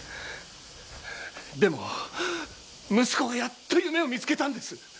でも息子がやっと夢を見つけたんです！